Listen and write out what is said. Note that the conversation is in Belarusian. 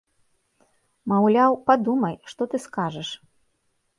Маўляў, падумай, што ты скажаш.